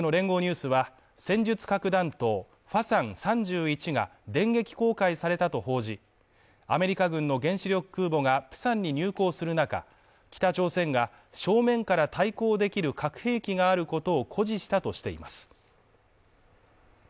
ニュースは戦術核弾頭ファサン３１が電撃公開されたと報じ、アメリカ軍の原子力空母がプサンに入港する中、北朝鮮が正面から対抗できる核兵器があることを誇示したとしています。